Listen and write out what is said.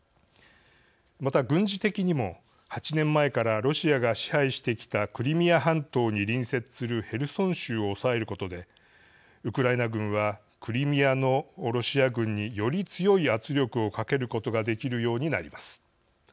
また、軍事的にも８年前からロシアが支配してきたクリミア半島に隣接するヘルソン州をおさえることでウクライナ軍はクリミアのロシア軍により強い圧力をかけることができるようになります。